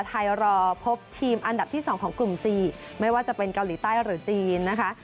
ไทยรอพบทีมอันดับที่๒ของกลุ่ม๔ไม่ว่าจะเป็นเกาหลีใต้หรือจีนนะคะ